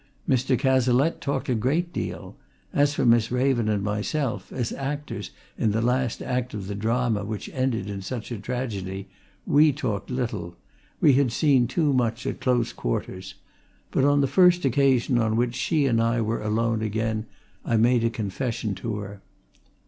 Mr. Cazalette talked a great deal: as for Miss Raven and myself, as actors in the last act of the drama which ended in such a tragedy, we talked little: we had seen too much at close quarters. But on the first occasion on which she and I were alone again, I made a confession to her.